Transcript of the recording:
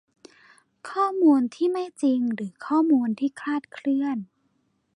ข้อมูลที่ไม่จริงหรือข้อมูลที่คลาดเคลื่อน